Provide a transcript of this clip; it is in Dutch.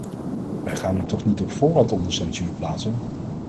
Wij gaan hem toch niet op voorhand onder censuur plaatsen.